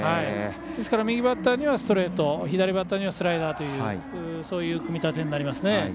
右バッターにはストレート左バッターにはスライダーというそういう組み立てになりますね。